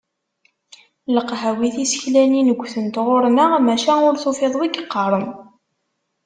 Leqhawi tiseklanin ggtent ɣur-neɣ, maca ur tufiḍ wi yeqqaren.